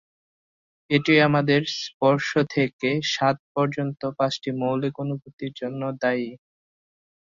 এটি আমাদের স্পর্শ থেকে স্বাদ পর্যন্ত পাঁচটি মৌলিক অনুভূতির জন্য দায়ী।